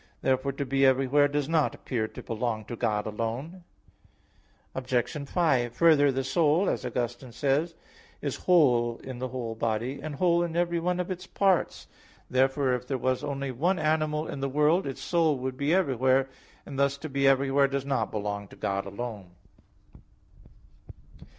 Therefore to be everywhere does not appear to belong to God alone. Obj. 5: Further, the soul, as Augustine says (De Trin. vi, 6), is "whole in the whole body, and whole in every one of its parts." Therefore if there was only one animal in the world, its soul would be everywhere; and thus to be everywhere does not belong to God alone.